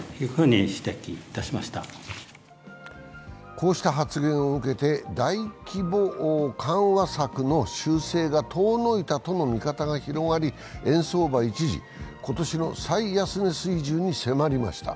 こうした発言を受けて、大規模緩和策の修正が遠のいたとの見方が広がり円相場は一時、今年の最安値水準に迫りました。